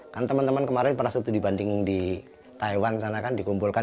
kan teman teman kemarin pernah dibandingin di taiwan dikumpulkan